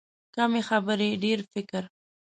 کمې خبرې، ډېر فکر.